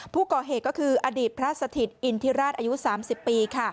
ผู้ก่อเหตุก็คืออดีตพระสถิตอินทิราชอายุ๓๐ปี